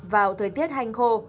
vào thời tiết hành khô